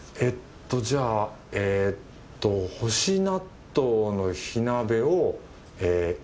えっとじゃあえっと干し納豆の火鍋をえ